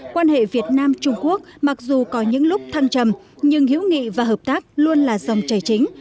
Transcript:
quan hệ việt nam trung quốc mặc dù có những lúc thăng trầm nhưng hiếu nghị và hợp tác luôn là dòng chảy chính